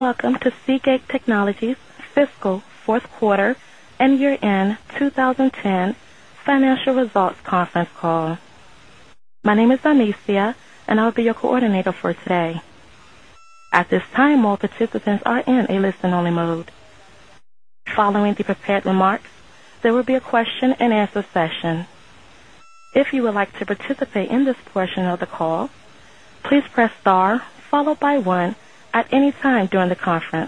Welcome to Seagate Technologies Fiscal 4th Quarter and Year End 2010 Financial Results Conference Call. My name is Anicia, and I will be your coordinator for today. As a reminder,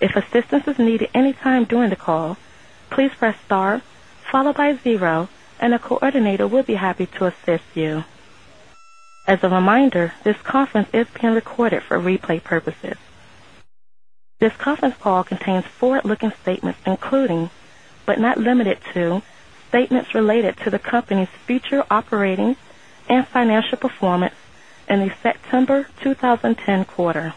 this conference is being recorded for replay purposes. This conference call contains forward looking statements, including, but not limited to, statements related to the company's future operating and financial performance in the September 20 10 quarter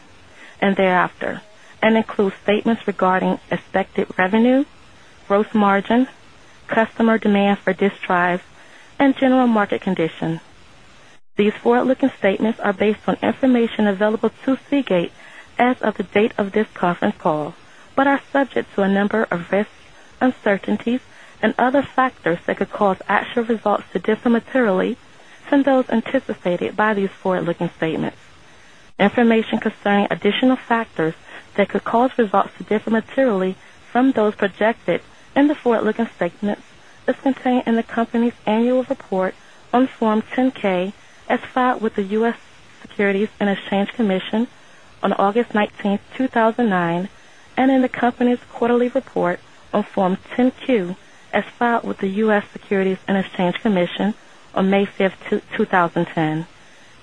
and thereafter and include statements regarding expected revenue, gross margin, customer demand for disk drives and general market conditions. These forward looking statements are based on information available to Seagate as of the date of this conference call, but are subject to a number of risks, uncertainties and other factors that could cause actual results to differ materially from those anticipated by these forward looking statements. Information concerning additional factors that could cause results to differ materially from those projected in the forward looking statements is contained in the company's annual report on Form 10 ks as filed with the U. S. Securities and Exchange Commission on August 19, 2009, and in the company's quarterly report on Form 10 as filed with the U. S. Securities and Exchange Commission on May 5, 2010.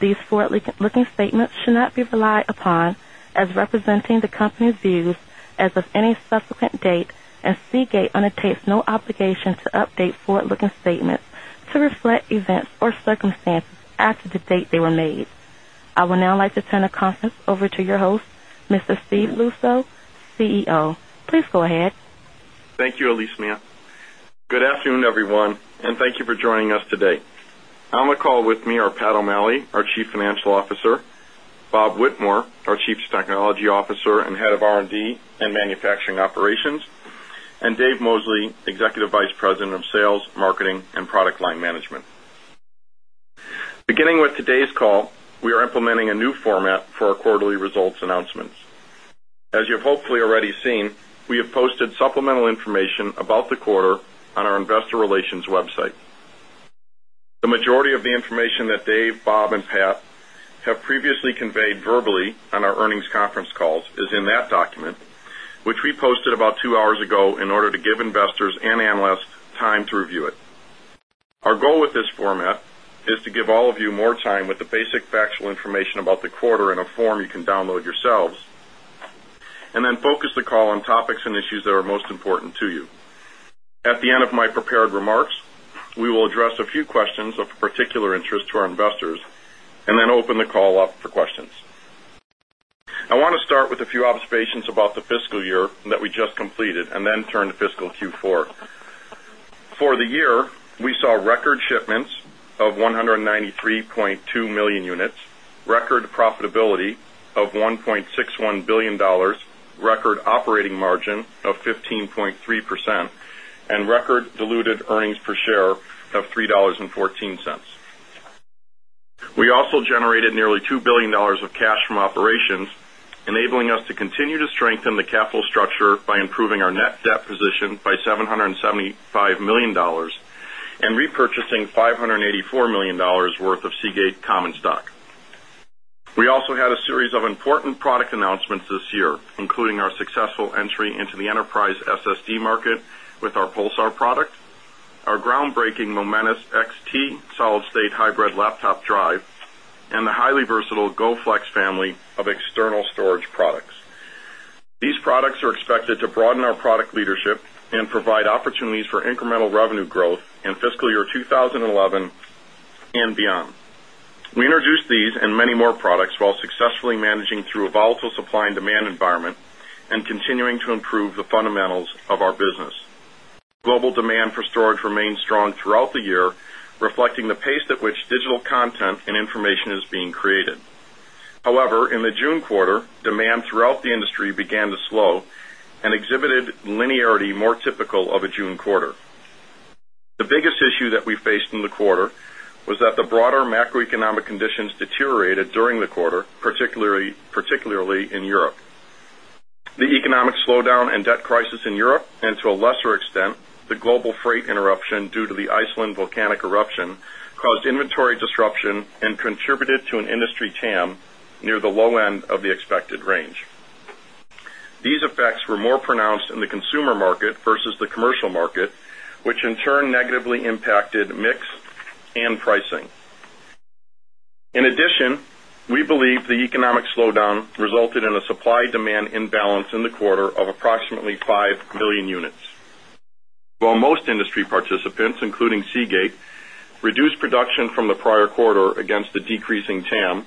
These forward looking statements should not be relied upon as representing the company's views as of any subsequent date and Seagate undertakes no obligation to update forward looking statements to reflect events or circumstances after the date they were made. I would now like to turn the conference over to your host, Mr. Steve Lusso, CEO. Please go ahead. Thank you, Alicia. Good afternoon, everyone, and thank you for joining us today. On the call with me are Pat O'Malley, our Chief Financial Officer Bob Whitmore, our Chief Technology Officer and Head of R and D and Manufacturing Operations and Dave Mosley, Executive Vice President of Sales, Marketing and Product Line Management. Vice President of Sales, Marketing and Product Line Management. Beginning with today's call, we are implementing a new format for our quarterly results announcements. As you've hopefully already seen, we have posted supplemental information about the quarter on our Investor Relations website. The majority of the information that Dave, Bob and Pat have previously conveyed verbally on our earnings conference is in that document, which we posted about 2 hours ago in order to give investors and analysts time to review it. Our goal with this format is to give all of you more time with the basic factual information about the quarter in a form you can download yourselves and then focus the call on topics and issues that are most important to you. At the end of my prepared remarks, we will address a few questions of particular interest to our investors and then open the call up for questions. I want to start with a few observations about the fiscal year that we just completed and then turn to fiscal Q4. For the year, we saw record shipments of 193,200,000 units, record profitability of $1,610,000,000 record operating margin of 15.3 percent and record diluted earnings per share of 3 nearly $2,000,000,000 of cash from operations, enabling us to continue to strengthen the capital structure by improving our net debt position by $775,000,000 and repurchasing $584,000,000 worth of Seagate common stock. We also had a series of important product announcements this year, including our successful entry into the enterprise SSD market with our PULSAR product, our ground external storage products. These products are expected to broaden our product leadership and provide opportunities for incremental revenue growth in fiscal year 2011 beyond. We introduced these and many more products while successfully managing through a volatile supply and demand environment and continuing to improve the fundamentals of our business. Global demand for storage remained strong throughout the year, reflecting the pace at which digital content and information is being created. However, in the June quarter, demand throughout the industry began to slow and exhibited linearity more typical of a June quarter. The biggest issue that we faced in the quarter was that the broader macroeconomic conditions deteriorated during the quarter, particularly in Europe. The economic slowdown and debt crisis in Europe and to a lesser extent, the global interruption due to the Iceland volcanic eruption caused inventory disruption and contributed to an industry TAM near the low end of the expected range. These effects were more pronounced in the consumer market versus the commercial market, which in turn negatively mix and pricing. In addition, we believe the economic slowdown resulted in a supply demand imbalance in the quarter of quarter against the decreasing TAM.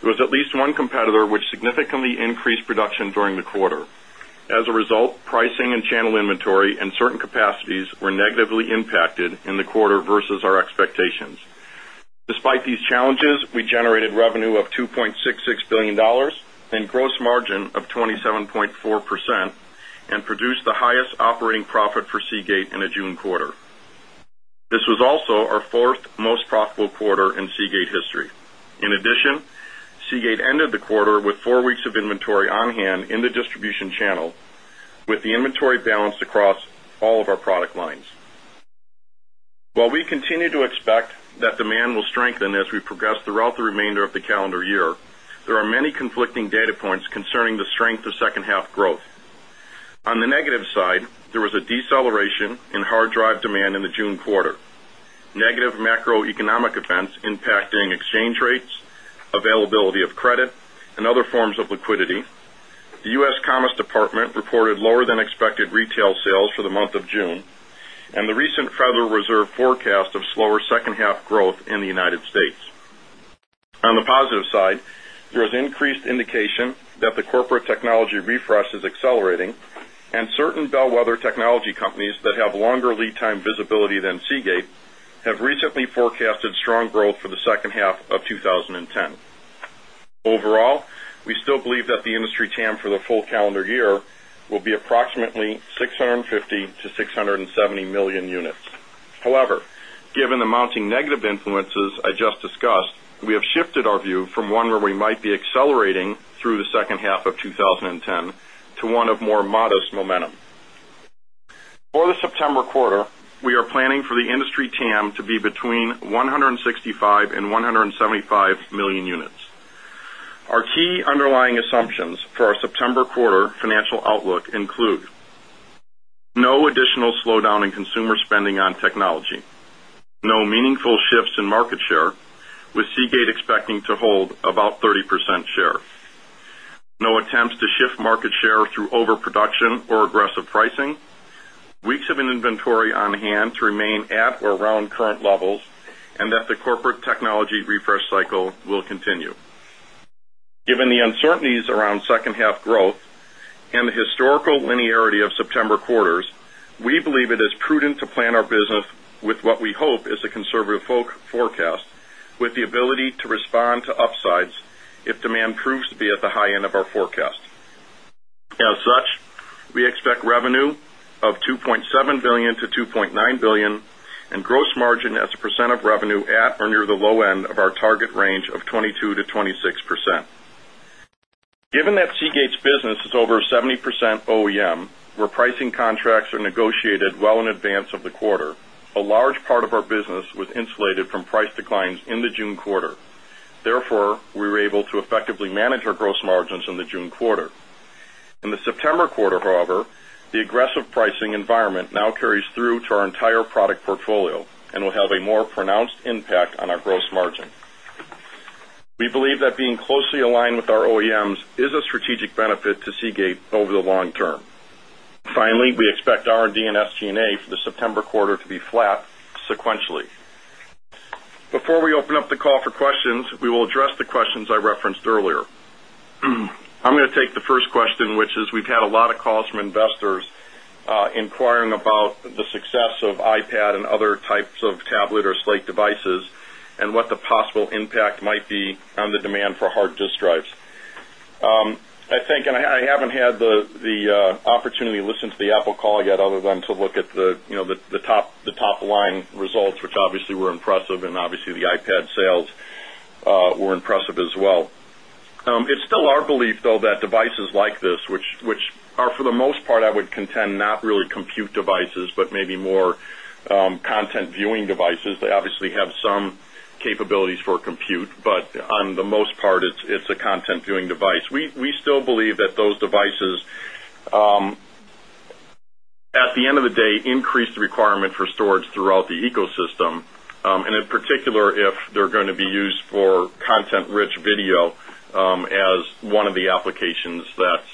There was at least 1 competitor, which significantly increased production during the quarter. As we generated revenue of $2,660,000,000 and gross margin of 27.4% and produced the highest operating profit for Seagate in the June quarter. This was also our 4th most profitable quarter in Seagate history. In addition, Seagate ended the quarter with 4 weeks of inventory on hand in the distribution channel with the inventory balanced across all of our product lines. While we While we continue to expect that demand will strengthen as we progress throughout the remainder of the calendar year, there are many conflicting data points concerning the strength of second half growth. On negative side, there was a deceleration in hard drive demand in the June quarter, negative macroeconomic events impacting exchange rates, availability of credit and other forms of liquidity. The U. S. Commerce Department reported lower than expected retail sales for the month of June and the recent Federal Reserve forecast of slower second half growth in the United States. On the positive side, there is increased indication that the corporate technology refresh is accelerating and certain Overall, we still believe that the industry TAM for the full calendar year will be approximately 650,000,000 to 670,000,000 units. However, given the mounting negative influences I just discussed, we have shifted our view from one where we might be accelerating through the between 165,000,000 and 175,000,000 units. Our key underlying assumptions for our No meaningful shifts in market share with Seagate expecting to hold about 30% share. No attempts to shift market share through overproduction or aggressive pricing, weeks of inventory on hand to remain at or around current levels and that the corporate the to respond to upsides if demand proves to be at the high end of our forecast. As such, we expect revenue of $2,700,000,000 to $2,900,000,000 and gross margin as a percent of revenue at or near the low end of our target range of 22% to to 26%. Given that Seagate's business is over 70% OEM, where pricing contracts are negotiated well in advance of the quarter, a large part of our business was insulated from price declines in the June quarter. Therefore, we were able to effectively manage our gross margins in the June quarter. In the September quarter, however, the aggressive pricing environment now carries through to our entire product portfolio and will have a more pronounced impact on our gross margin. We believe that being closely aligned with our OEMs is a strategic benefit to Seagate over the long term. Finally, we expect R and D and SG and A for the September quarter to be flat sequentially. Before we open up the call for questions, we will address the questions I referenced earlier. I'm going to take the first question, which is we've had a lot of calls from investors inquiring about the success of iPad and other types of tablet or slate devices and what the possible impact might be on the demand for hard disk drives. I think and I haven't had the opportunity to listen to the Apple call yet other than to look at the top line results, which obviously were impressive and obviously the iPad sales were impressive as well. It's still our belief though that devices like this, which are for the most part, I would contend not really compute devices, but maybe more content viewing devices. They obviously have some capabilities for compute, but on the most part, it's a content viewing device. We still believe that those devices, at the end of the day, increase the requirement for storage throughout the ecosystem. And in particular, if they're going to be used for content rich video, as one of the applications that's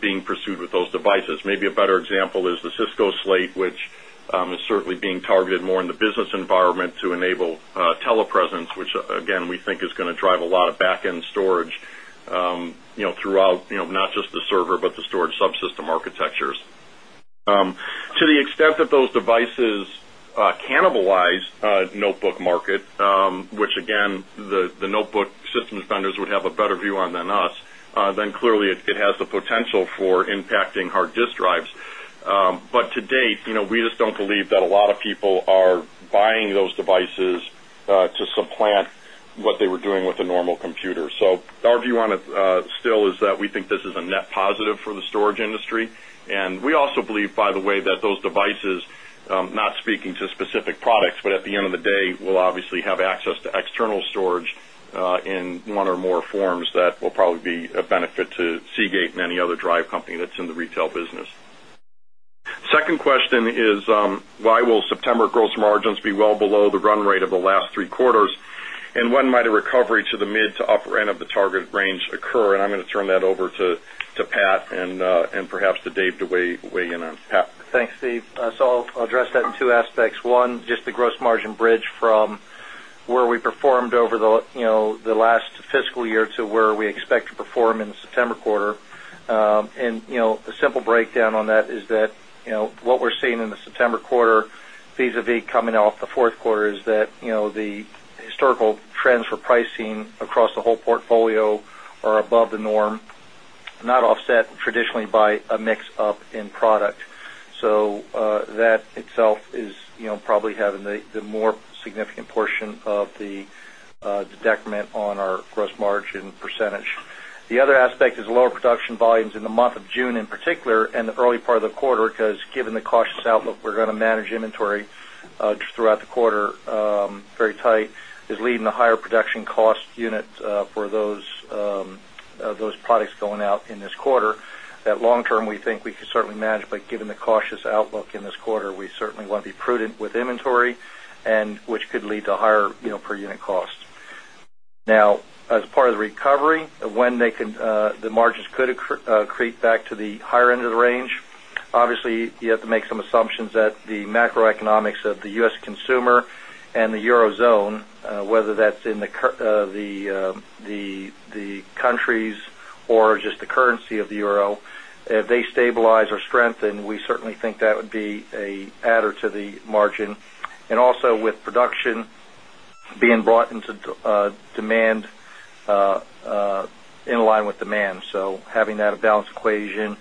being pursued with those devices. Maybe a better example is the Cisco slate, which is certainly being targeted more in the business environment to enable telepresence, which again we think is going to drive a lot of back end storage throughout not just the server, but the storage subsystem architectures. To the extent that those devices cannibalize notebook market, which again the notebook systems vendors would have a better view on than us, then clearly it has the potential for impacting hard disk drives. But to date, we just don't believe that a lot of people are buying those devices to supplant what they were doing with a normal computer. So our view on it still is that we think this is a net positive for the storage industry. And we also believe, by the way, that those devices, not speaking to specific products, but at the end of the day, we'll obviously have access to external storage in 1 or more forms that will probably be a benefit to Seagate and any other drive company that's in the retail business. 2nd question is, why will September gross margins be well below the run rate of the last three quarters? And when might a recovery to the mid to upper end of the target range occur? And I'm going to turn that over to Pat and perhaps to Dave to weigh in on Pat. Thanks, Steve. So I'll address that in 2 aspects. 1, just the gross margin bridge from where we performed over the last fiscal year to where we expect to perform in the September quarter. And a simple breakdown on that is that what we're seeing in the September quarter visavis coming off the 4th quarter is that product. So that itself is probably having the more significant portion of the decrement on our gross margin out the quarter very tight, is leading to higher production costs, inventory and which could lead to higher per unit cost. Now, as part of the recovery, when they can the margins could accrete back to the higher end of the range. Obviously, you have to make some assumptions that the macroeconomics of the U. S. Consumer and the Eurozone, whether that's in the countries or just the currency of the Euro, production being brought into demand in line with demand. So having that a balanced equation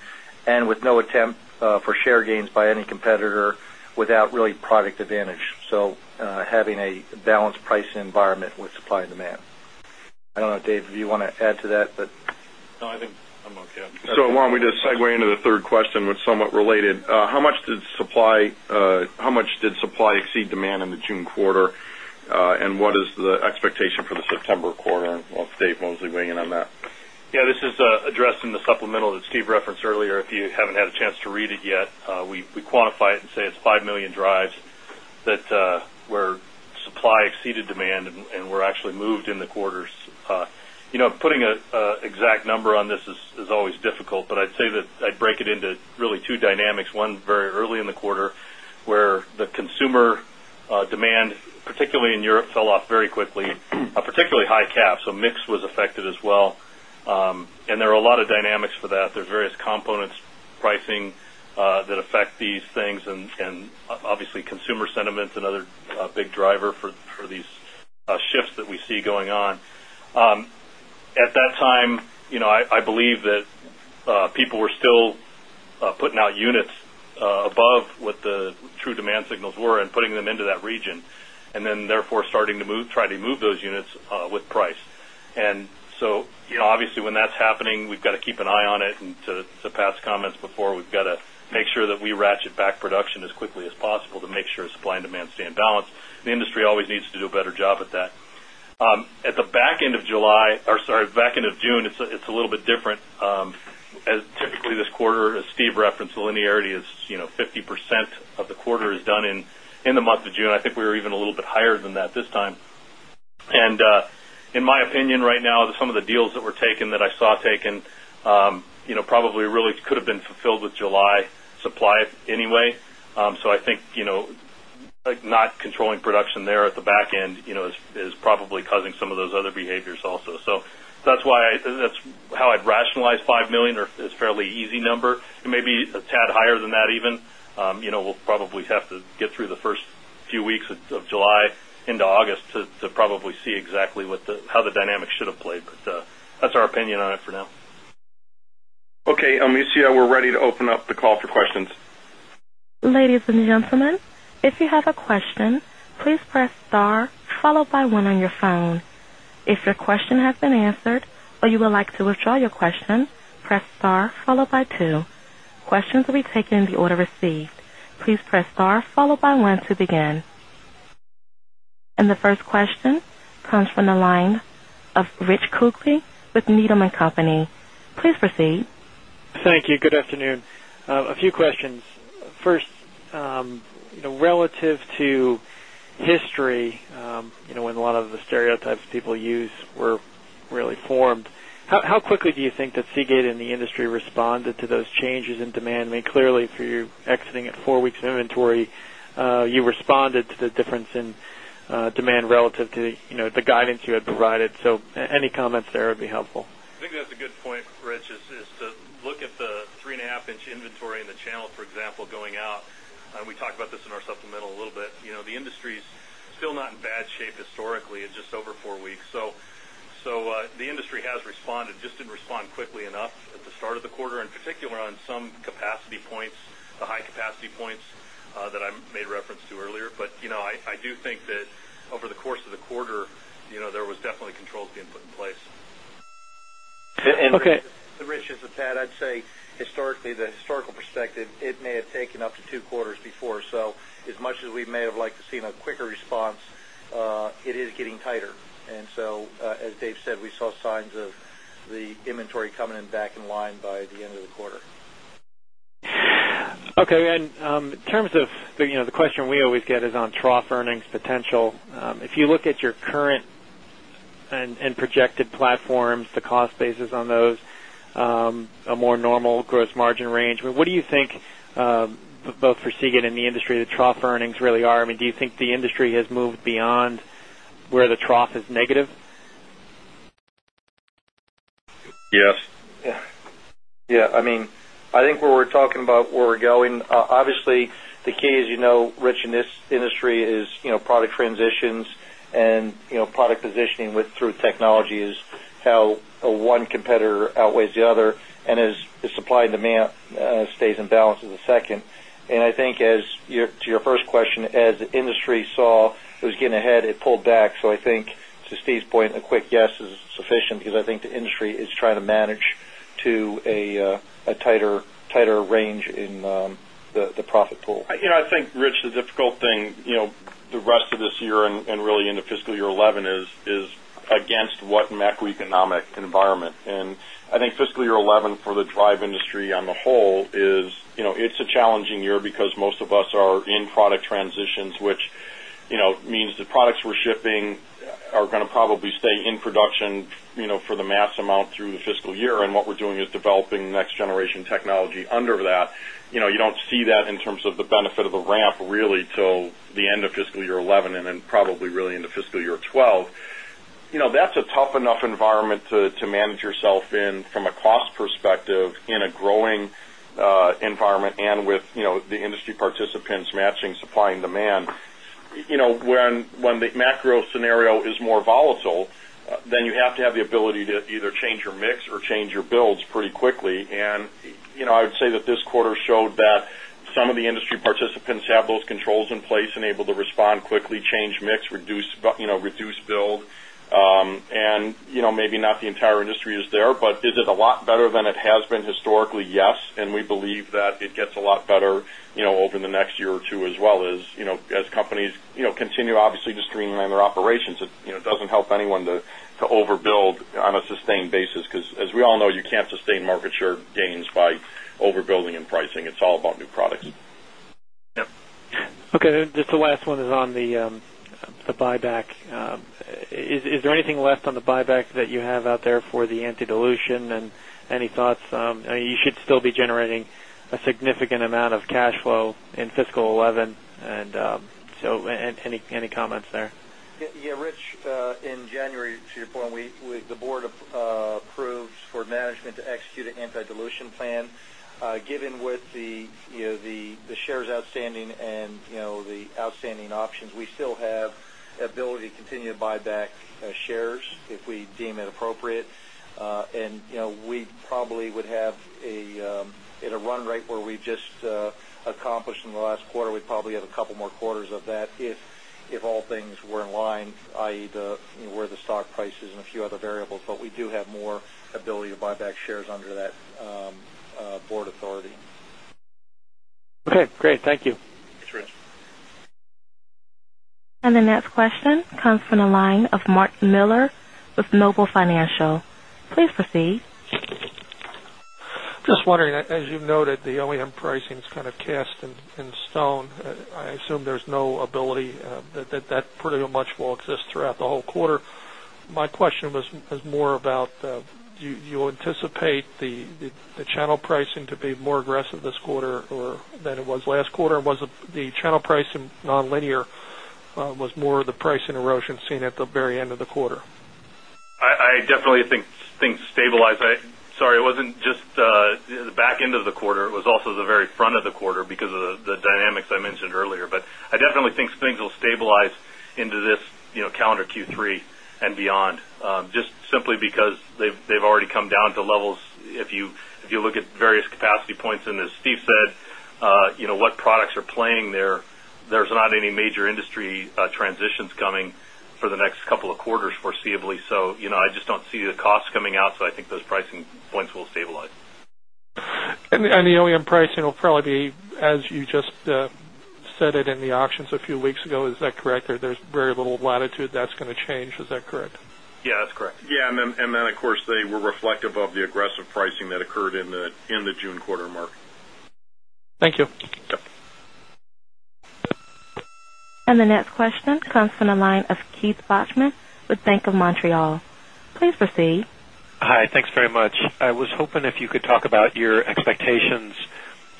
and with no attempt for share gains by any competitor without really product advantage. So having a balanced pricing environment with supply and demand. I don't know, Dave, if you want to add to that, but No, I think I'm okay. So why don't we just segue into the 3rd question, which somewhat related. How much did supply exceed demand in the June quarter? And what is the expectation for the September quarter? And I'll state mostly weighing in on that. Yes. This is addressed in the supplemental that Steve referenced earlier. If you haven't had a chance to read it yet, we quantify it and say it's 5,000,000 drives that where supply exceeded demand and were actually moved in the quarters. Putting an exact number on this is always difficult, but I'd say that I'd break into really 2 dynamics. 1 very early in the quarter where the consumer demand, particularly in Europe fell off very quickly, particularly high cap. So, mix was affected as well. And there are a lot of dynamics for that. There are various components pricing that affect these things and obviously consumer sentiments and other big driver for these shifts that we see going on. At that time, I believe that people were still putting out units above what the true demand signals were and putting them into that region. We've got to At the back At the back end of July or sorry, back end of June, it's a little bit different. As typically this quarter, as Steve referenced, linearity is 50% of the quarter is done in the month of June. I think we were even a little bit higher than that this time. And in my opinion, right now, some of the deals that were taken that I saw taken, probably really could have been fulfilled with July supply anyway. So I think like not controlling production there at the back end is probably causing some of those other behaviors also. So that's why that's how I'd rationalize $5,000,000 or it's fairly easy number and maybe a tad higher than that even. We'll probably have to get through the 1st few weeks of July into August to probably see exactly what the how the dynamic should have played. But that's our opinion on it for now. Okay. Alicia, we're ready to open up the call for questions. And the first question comes from the line of Rich Kukui with Needham and Company. Please proceed. Thank you. Good afternoon. A few questions. First, relative to history, when a lot of the stereotypes people use were really formed, How quickly do you think that Seagate and the industry responded to those changes in demand? I mean clearly through exiting at 4 weeks of inventory, you responded to the difference in demand relative to the guidance you had provided. So any comments there would be helpful. I think that's a good point, Rich, is to look at the 3.5 inches inventory in the channel, for example, going out. We talked about this in our supplemental a little bit. The industry is still not in bad shape some capacity points, the high capacity points that I made reference to earlier. But I do think that over the course of the quarter, there was definitely controls being put in place. Rich, this is Pat. I'd say, historically, the historical perspective, it may have taken up to 2 quarters before. So as much as we may have liked to see a quicker response, it is getting tighter. And so as Dave said, we saw signs the the question we always get is on trough earnings potential. If you look at your current and projected platforms, the cost base is on those, a more normal gross margin range. I mean, what do you think both for Seagate and the industry, the trough earnings really are? I mean, do you think industry has moved beyond where the trough is negative? Yes. Yes. I mean, I think we're talking about where we're going. Obviously, the key, as you know, Rich, in this industry is product transitions and product positioning with through technology is how one competitor outweighs the other and as supply and demand stays in balance as a second. And I think as to your first question, as the industry saw it was getting ahead, it pulled back. So I think, to Steve's point, a quick yes is sufficient because I think the industry is trying to manage to a tighter range in the profit pool. I think, Rich, the difficult thing, the rest of this year and really into fiscal year 'eleven is against what macroeconomic environment. And I think fiscal year 'eleven for the drive industry on the whole is it's a challenging year because most of us are in product transitions, which means the products we're shipping are going to probably stay in production for the mass amount through the fiscal year and what we're doing is developing next generation technology under that. You don't see that in terms of the benefit of the ramp really till the end of fiscal year 'eleven and then then scenario is more volatile, then you have to have the ability to either change scenario is more volatile, then you have to have the ability to either change your mix or change your builds pretty quickly. And I would say that this quarter showed that some of the industry participants have those controls in place and able to respond quickly, change mix, reduce build. And maybe not the entire industry is there, but is it a lot better than it has been historically? Yes. And we believe that it gets a lot better over the next year or 2 as well as companies continue obviously to streamline their operations. It doesn't help anyone to overbuild on a sustained basis because as we all know, you can't sustain market share gains by overbuilding and pricing. It's all about new products. Okay. Just the last one is on the buyback. Is there anything left on the buyback that you have out there for the anti dilution and any thoughts? You should still be generating a a significant amount of cash flow in fiscal 'eleven and so any comments there? Yes, Rich, in January to your point, the Board approves for management to execute an anti dilution plan. Given with the shares outstanding and the outstanding options, we still have the ability to continue to buy back shares if we deem it appropriate. And we probably would have a run rate where we've just accomplished in the last quarter. We'd probably have a couple more quarters of that if all things were in line, I. E. Where the stock price is and a few other variables, but we do have more ability to buy back shares under that board authority. Okay, great. Thank you. Thanks Rich. And the next question comes from the line of Mark Miller with Noble Financial. Please proceed. Just wondering as you noted, the OEM pricing is kind of cast in stone. I assume there's no ability that pretty much will exist throughout the whole quarter. My question was more about do you anticipate the channel pricing to be more quarter? I definitely think things stabilize. Sorry, it wasn't just the back end of the quarter, it was also the very front of the quarter because of the dynamics I mentioned earlier. But I because they've already come because they've already come down to levels. If you look at various capacity points and as Steve said, what products are playing there, there's not any major industry transitions coming for the next couple of quarters foreseeably. So, I just don't see the cost coming out, so I think those pricing points will stabilize. And the OEM pricing will probably be as you just said it in the auctions a few weeks ago, is that correct or there's very little latitude that's going to change, is that correct? Yes, that's correct. Yes. And then of course they were reflective of the aggressive pricing that occurred in the June quarter market. Thank you. And the next question comes from the line of Keith Bachman with Bank of Montreal. Please proceed. Hi, thanks very much. I was hoping if you could talk about your expectations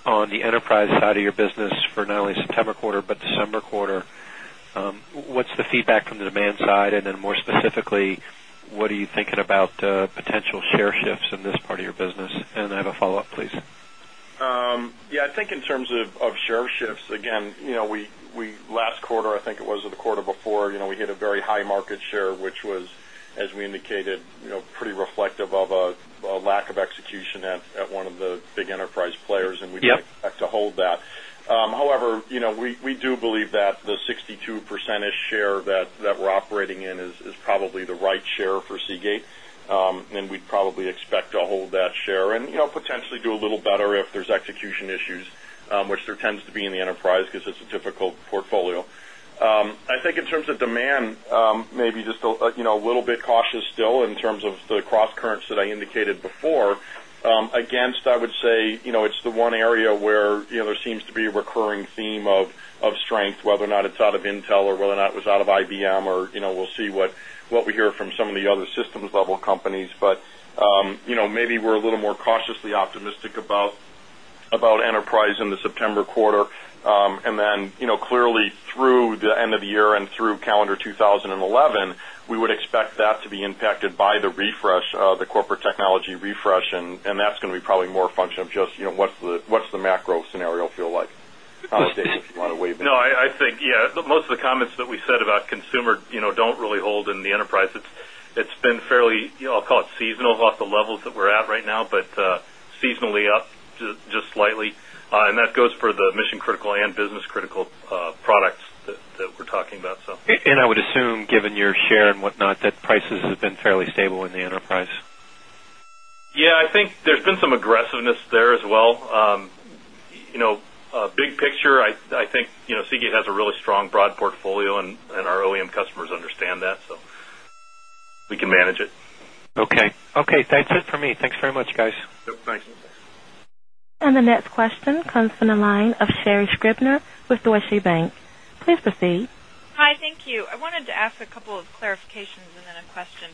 on the enterprise side of your business for not only September quarter, but December quarter? What's the feedback from the demand side? And then more specifically, what are you thinking about potential share shifts in this part of your business? And then I have a follow-up please. Yes, I think in terms of share shifts, again, we last quarter, I think it was the quarter before, we hit a very high market share, which was as we indicated pretty reflective of a lack of execution at one of the big enterprise players and we'd like to hold that. However, we do believe that the 62% -ish share that we're Seagate and we'd probably expect to hold that share and potentially do a little better if there's execution issues, which there tends to be in the enterprise because it's a difficult portfolio. I think in terms of demand, maybe just a little bit cautious still in terms of the crosscurrents that I indicated before. Against, I would say, it's the one area where there seems to be a recurring theme of strength, whether or not it's out of Intel or whether or not it was out of IBM or we'll see what we hear from some of the other systems level companies. But maybe we're a little more cautiously optimistic about enterprise in the September quarter. And then clearly through the end of the year and through calendar 2011, we would expect that to be impacted by the refresh, the corporate technology refresh and that's going to be probably more a function of just what's the macro scenario feel like. David, if you want to weigh back? No, I think, yes, most of the comments that we said about consumer don't really hold in the enterprise. It's been off the levels that we're at right now, but seasonally up just slightly. And that goes for the mission critical and business critical products that we're talking about. And I would assume given your share and whatnot that prices have been fairly stable in the enterprise? Yes, I think there's been some aggressiveness there as well. Big picture, I think Seagate has a really strong broad portfolio and our OEM customers understand that. So, we can manage it. Okay. Okay. That's it for me. Thanks very much guys. Thanks. And the next question comes from the line of Sherry Scribner with Deutsche Bank. Please proceed. Hi, thank you. I wanted to ask a couple of clarifications and then a question.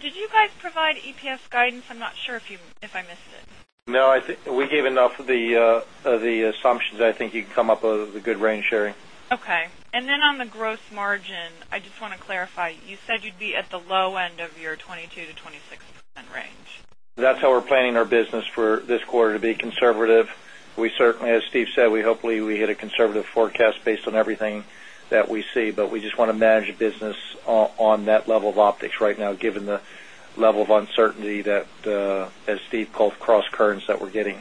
Did you guys provide EPS guidance? I'm not sure if I missed it. No, we gave enough of the assumptions. I think you come up with a good range sharing. Okay. And then on the gross margin, I just want to clarify, you you'd be at the low end of your 22% to 26% range? That's how we're planning our business for this quarter to be conservative. We certainly, as Steve said, we hopefully, we hit a conservative forecast based on everything that we see, but we just want to manage business on that level of optics right now given the level of uncertainty that, as Steve called, crosscurrents that we're getting.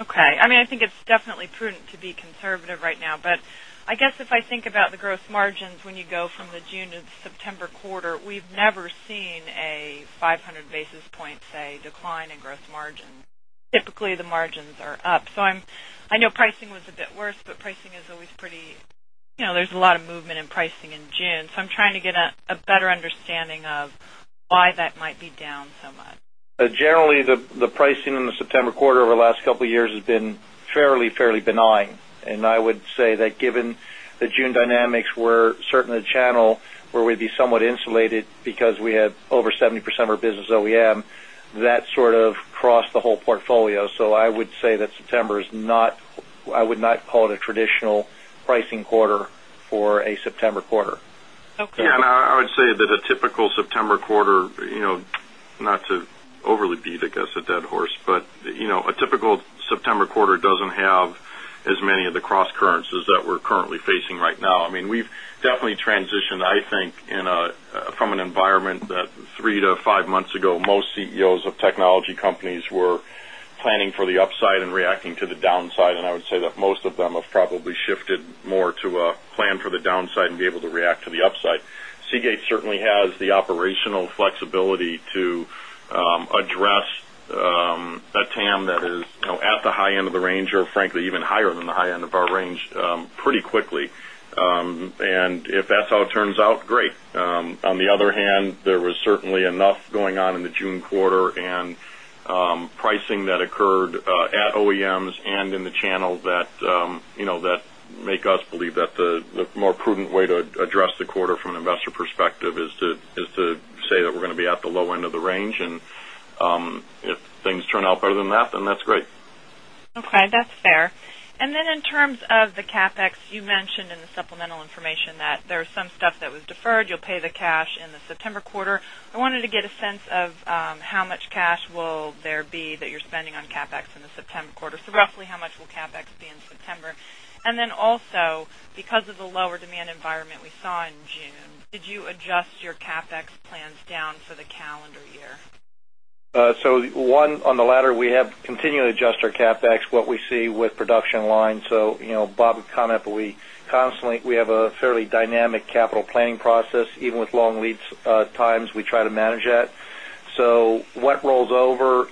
Okay. I mean, I think it's definitely prudent to be conservative right now. But I guess if I think about the gross margins when you go from the June September quarter, we've never seen a 500 basis point say decline in gross margin. Typically the margins are up. So I'm I know pricing was a bit worse, but pricing is always to get a better understanding of why that might be down so much. Generally, the pricing in the September quarter over the last couple of years has been fairly benign. And I would say that given the June dynamics, we're certainly the channel where we'd be somewhat insulated because we have over 70% of our business OEM, that sort of crossed the whole portfolio. So I would say that September is not I would not call it a traditional pricing quarter for a September quarter. Okay. Yes. And I would say that a typical September quarter, not to overly beat, I guess, a dead horse, but a typical September quarter doesn't have as many of the crosscurrents that we're currently facing right now. I mean, we've definitely transitioned, I think, from an environment that 3 to 5 months ago, most CEOs of technology companies were planning for the upside and reacting to the downside and I would say that most of them have probably shifted more to a plan for the downside and be able to react to the upside. Seagate certainly has the operational flexibility to address a TAM that is at the high end of the range or frankly even higher than the high end of our range pretty quickly. And if that's how it turns out, great. On the other hand, there was certainly enough going on in the June quarter and pricing that occurred at OEMs and in the channel that make us believe that the more prudent way to address the quarter from an investor that's fair. And then in that's fair. And then in terms of the CapEx, you mentioned in the supplemental information that there are some stuff that was deferred, you'll pay the cash in the September quarter. I wanted to get a sense of how much cash will there be that you're spending on CapEx in the September quarter? So roughly how much will CapEx be in September? And then also because of the lower demand environment we saw in June, did you adjust your CapEx plans down for the calendar year? So one on the latter, we have continued to adjust our CapEx, what we see with production line. So Bob would comment, but we constantly we have a fairly dynamic capital planning process. Even with long lead times, we try to manage that. So what rolls over?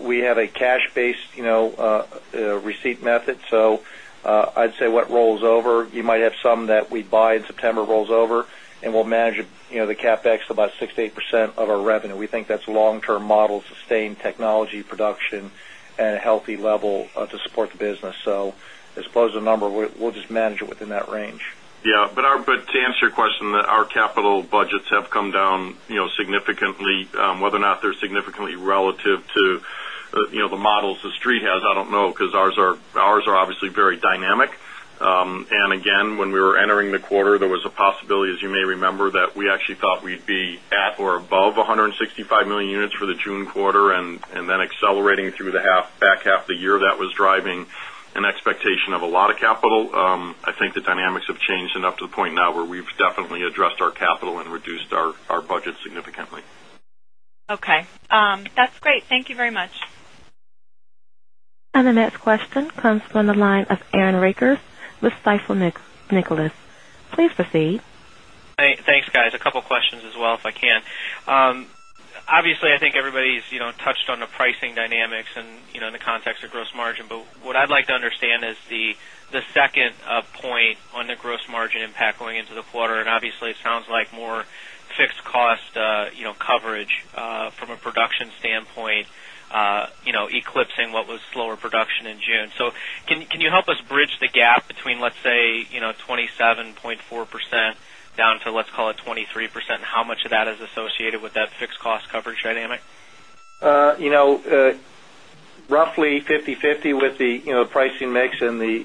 We have a cash based receipt method. So I'd say what rolls over, you might have some that we buy in September rolls over, and we'll manage the CapEx about 6% to 8% of our revenue. We think that's long term model sustained technology production at a healthy level to support the business. So as opposed to a number, we'll just manage it within that range. Yes. But to answer your question, our capital budgets have come down significantly. Whether or not they're significantly relative to the models the street has, I don't know because ours are obviously very dynamic. And again, when we were entering the quarter, there was a possibility, as you may remember, that we actually thought we'd be at or above 165,000,000 units for the June quarter and then accelerating through the half back half of the year that was driving an expectation of a lot of capital. I think the dynamics have changed and up to the point now where we've definitely our capital and reduced our budget significantly. Okay. That's great. Thank you very much. And the next question comes from the line of Aaron Rakers with Stifel Nicolaus. Please proceed. Thanks guys. A couple of questions as well if I can. Obviously, I think everybody's touched on the has touched on the pricing dynamics in the context of gross margin. But what I'd like to understand is the second point on the gross margin impact going into the quarter and obviously it sounds like more fixed cost coverage from a production standpoint eclipsing what was slower production in June. So can you help us bridge the gap between let's say 27.4% down to let's call it 23%? How much of that is associated with that fixed cost coverage dynamic? Roughly fifty-fifty with the pricing mix and the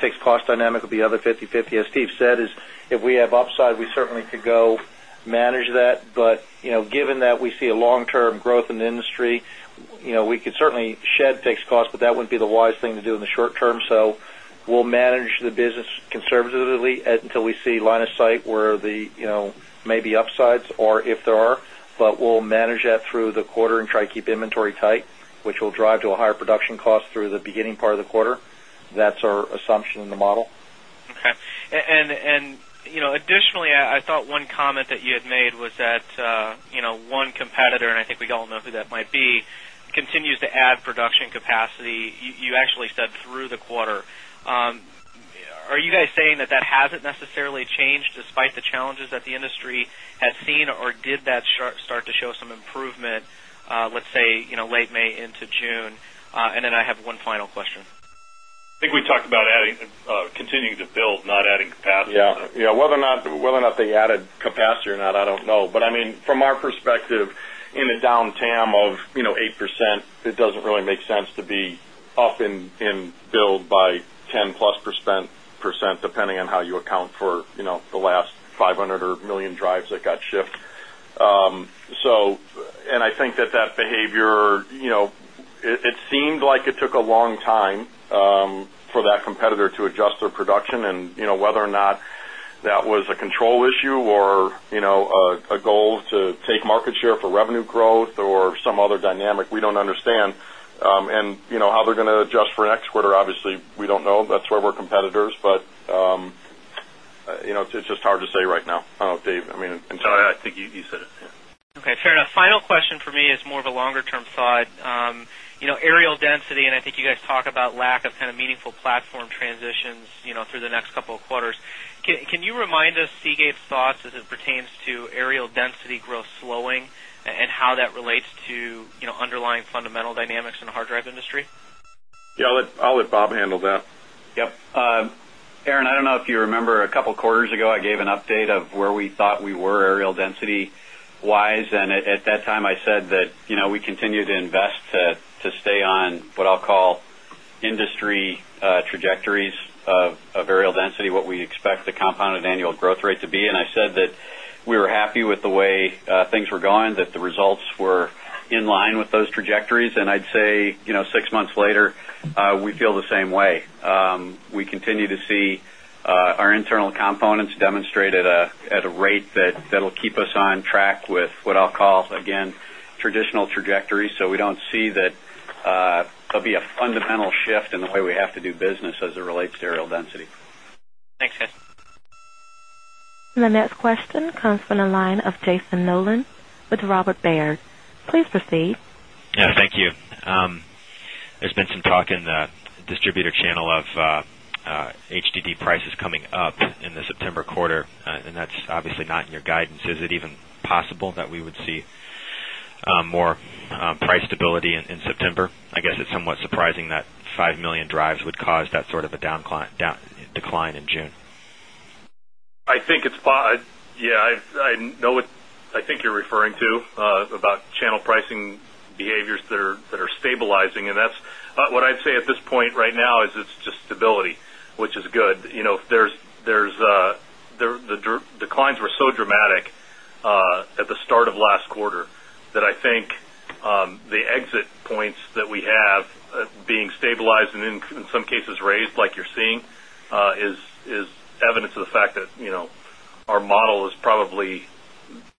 fixed cost dynamic of the other fifty-fifty. As Steve said, if we have upside, we certainly could go manage that. But given that we see a long term growth in the industry, we could certainly shed fixed costs, but that wouldn't be the wise thing to do in the short term. So we'll manage the business conservatively until we see line of sight where the maybe upsides are if there are, but we'll manage that through the quarter and try to keep inventory tight, which will drive to a higher production cost through the beginning part of the quarter. Additionally, I thought one comment that you had made was that, additionally, I thought one comment that you had made was that one competitor, and I think we all know who that might be, continues to add production capacity you actually said through the quarter. Are you guys saying that that hasn't necessarily changed despite the challenges that the industry has seen or did that start to show some improvement, let's say, late May into June? And then I have one final question. I think we talked about adding continuing to build, not adding capacity. Yes. Whether or not they added capacity or not, I don't know. But I mean, from our perspective, in a downtime of 8%, it doesn't really make sense to be up in build by 10 percent depending on how you account for the last 500 or 1,000,000 drives that got shipped. So and I think that that was a control issue or a goal to take was a control issue or a goal to take market share for revenue growth or some other dynamic, we don't understand. And how they're going to adjust for next quarter, obviously, we don't know. That's where we're competitors, but it's just hard to say right now. I don't know, Dave. I think you said it. Okay, fair enough. Final question for me is more of a longer term thought. Aerial density and I think you guys talk about lack of kind of meaningful platform transitions through the next couple of quarters. Can you remind us Seagate's thoughts as it pertains to aerial density growth areal density growth slowing and how that relates to underlying fundamental dynamics in the hard drive industry? Yes, I'll let Bob handle that. Yes. Aaron, I don't know if you remember a couple of quarters ago, I gave an update of where we thought we were aerial density wise and at that time I said that we continue to invest to stay on what I'll call industry trajectories of aerial density what we expect the compounded annual growth rate to be and I said that we were happy with the way things were going that the results were in line with those trajectories. And I'd say 6 months later, we feel the same way. We continue to see our internal components demonstrated at a rate that will keep us on track with what I'll call again traditional trajectory. So we don't see that there will be a fundamental shift in the way we have to do business as it relates to aerial density. Thanks, guys. And the next question comes from the line of Jason Nolan with Robert Baird. Please proceed. Thank you. There's been some talk in the distributor channel of HDD prices coming up in the September quarter and that's obviously not in your guidance, is it even possible that we would see more stability in September? I guess it's somewhat surprising that 5,000,000 drives would cause that sort of a decline in June? I think it's Bob. Yes, I know what I think you're referring to about channel pricing behaviors that are stabilizing and that's what I'd say at this point right now is it's just stability, which is good. There is the declines were so dramatic at the is the declines were so dramatic at the start of last quarter that I think the exit points that we have being stabilized and in some cases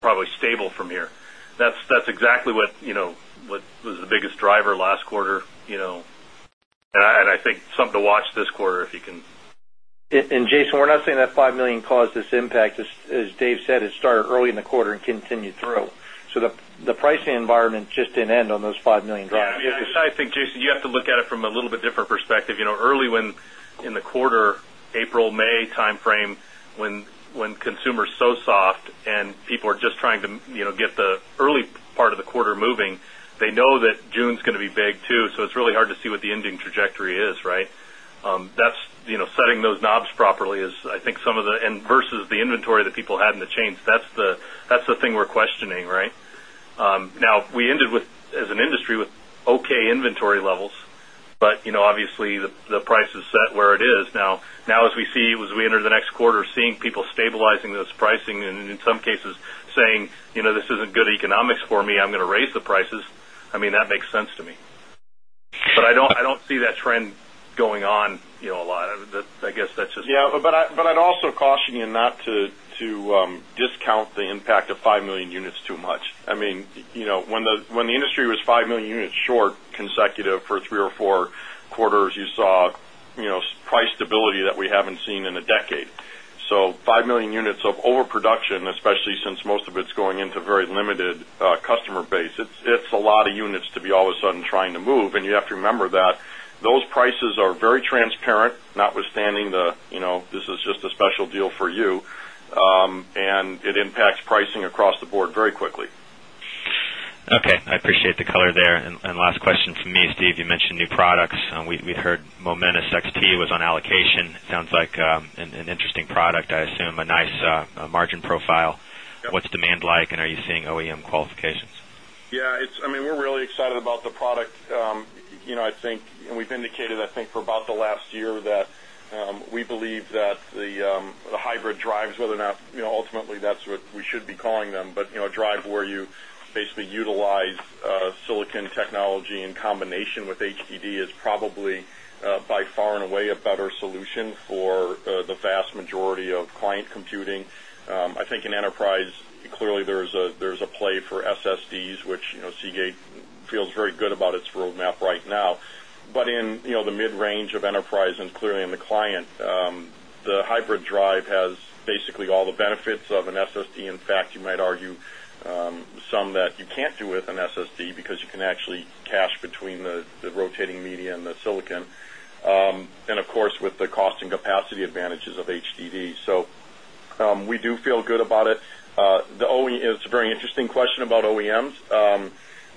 probably stable from here. That's exactly what was the biggest driver last quarter. And I think something to watch this quarter if you can. And Jason, we're not saying that $5,000,000 caused this impact. As Dave said, it started early in the quarter and continued through. So, the pricing environment just didn't end on those $5,000,000 dollars drivers. Yes. I think, Jason, you have to look at it from a little bit different perspective. Early when in the quarter, April, May timeframe, when consumer is so soft and people are just trying to ending trajectory is, right? That's big too. So it's really hard to see what the ending trajectory is, right. That's setting those knobs properly is I think some of the and versus the inventory that people had in the chains. That's the thing we're questioning, right. Now we ended with as an industry with okay inventory levels, but obviously the price is set where it is now. Now as we see, as we enter the next quarter seeing people stabilizing those pricing and in some cases saying, this isn't good economics for me, I'm going to raise the prices. I mean, that makes sense to me. But I don't see that trend going on a lot of that. I guess that's just Yes, but I'd also caution you not to industry was 5,000,000 units short consecutive for 3 or 4 quarters, you saw price stability that we haven't seen in a decade. So 5,000,000 units of overproduction, especially since most of it's going into very limited customer base. It's a lot of units to be all of a sudden trying to move and you have to remember that those prices are very transparent, notwithstanding this is just a special deal for you, and it impacts pricing across the board very quickly. Okay. I appreciate the color there. And last question from me, Steve, you mentioned new products and we heard and are you seeing OEM qualifications? Yes, it's I mean, we're really excited about the product. I think and we've indicated I think for about the last year that we believe that the hybrid drives whether or not ultimately that's what we should be calling them, but a drive where you basically utilize silicon technology in combination with HDD is probably by far and away a better solution for the vast majority of client computing. I think in enterprise, clearly there is a play for SSDs, which Seagate feels very good about its roadmap right now. But in the mid range of enterprise and clearly in the client, the hybrid drive has basically all the benefits of an SSD. In fact, you might argue some that you can't do with an SSD because you can actually cash between the rotating media and the silicon. And of course, with the cost and capacity advantages of HDD. So, we do good about it. It's a very interesting question about OEMs.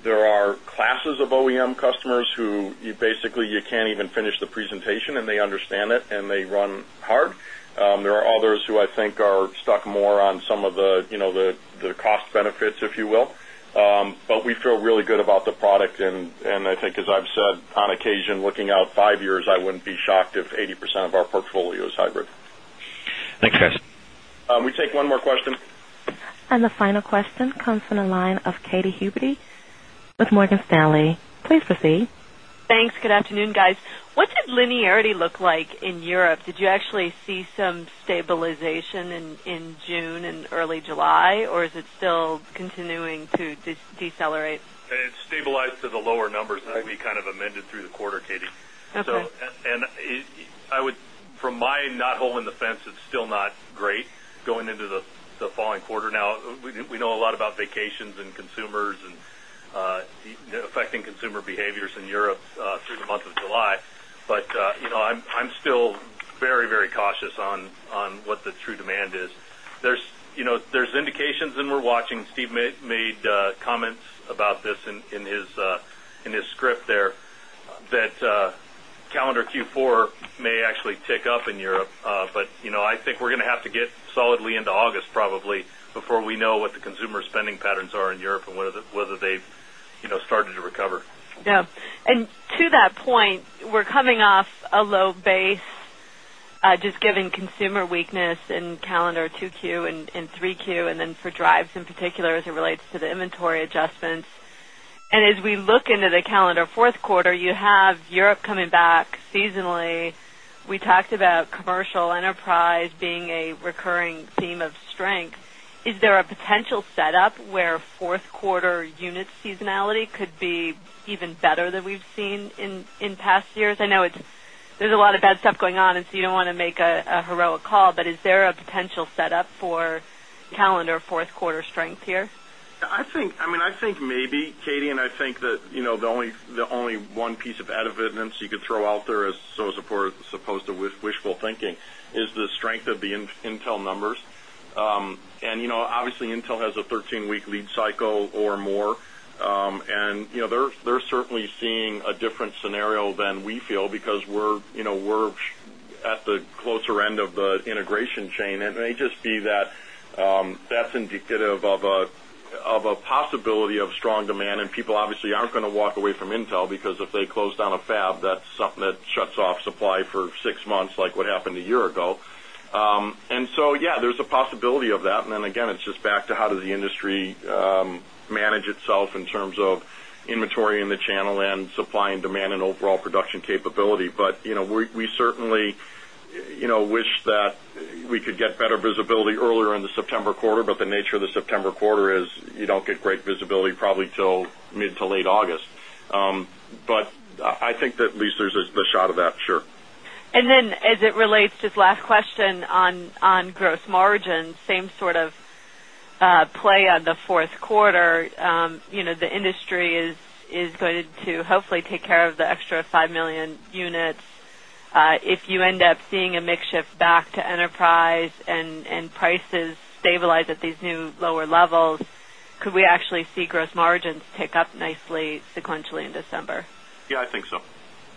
There are classes of OEM customers who you basically you can't even finish the presentation and they understand it and they run hard. There are others who I think are stuck more on some of the cost benefits, if you will. But we feel really good about the product and I think as I've said on occasion looking out 5 years, I wouldn't be shocked if 80% of our portfolio is hybrid. Thanks, guys. We take one more question. And the final question comes from the line of Katy Huberty with Morgan Stanley. Please proceed. Thanks. Good afternoon, guys. What did linearity look like in Europe? Did you actually see some stabilization in June early July or is it still continuing to decelerate? It stabilized to the lower numbers that we kind of amended through the quarter, Katie. Okay. And I would from my not holding the fence, it's still not great going into the following quarter now. We know a lot about vacations and consumers and affecting consumer behaviors in Europe through the month of July. But I'm still very, very cautious on what the true demand is. There's indications and we're watching, Steve made comments about this in his script there that calendar Q4 may actually tick up in Europe. But I think we're going to have to get solidly into August probably before we know what the consumer spending patterns are in Europe and whether they've started to recover. Yes. And to that point, we're coming off a low base just given consumer weakness in calendar 2Q and 3Q and then for the have Europe coming back seasonally. We talked about commercial enterprise being a recurring theme of strength. Is there a potential setup where 4th quarter unit seasonality could be even better than we've seen in past years? I know it's there's a lot of bad stuff going on and so you don't want to make a heroic call, but is there a potential setup for calendar 4th quarter strength here? I mean, I think maybe, Katie and I think that the only one piece of adovit and so you could throw out there as so as opposed to wishful thinking is the strength of the Intel numbers. And obviously, Intel has a 13 week lead cycle or more. And they're certainly seeing a different scenario than we feel because we're at the closer end of the integration chain and it may just be that indicative of a possibility of strong demand and people obviously aren't going to walk away from Intel because if they close down a fab that's something that shuts off supply for 6 months like what happened a year ago. And so, yes, there's a possibility of that. And then again, it's just back to how does the industry manage itself in terms of inventory and the we we certainly wish that we could get better visibility earlier in the September quarter, but the nature of the September quarter is you don't get great visibility probably till mid to late August. But I think that at least there's the shot of that, sure. And then as it relates just last question on gross margin, same sort of play on the Q4. The industry is going to hopefully take care of the extra 5,000,000 units. If you end up seeing a mix shift back to enterprise and prices stabilize at these new lower levels, could we actually see gross margins tick up nicely sequentially in December? Yes, I think so.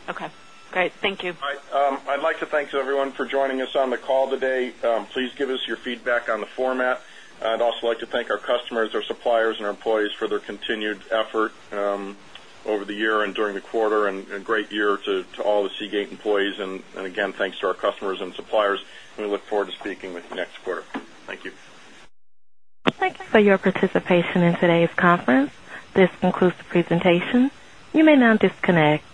Okay, great. Thank you. I'd like to thank everyone for joining us on the call today. Please give us your feedback on the format. I'd also like to thank our customers, our suppliers and our employees for their continued effort over the year and during the quarter and a great year to all the Seagate employees. And again, thanks to our customers and suppliers. We look forward to speaking with you next quarter. Thank you. Thank you for your participation in today's conference. This concludes the presentation. You may now disconnect.